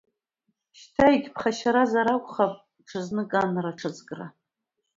Шьҭаегьԥхашьаразар акәхап, ҽазнык анра аҽазкра.